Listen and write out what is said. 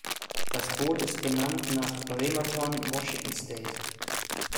Das Boot ist benannt nach Bremerton, Washington State.